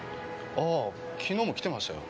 あ昨日も来てましたよ。